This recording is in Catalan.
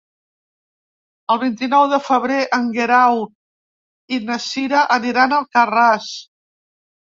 El vint-i-nou de febrer en Guerau i na Cira aniran a Alcarràs.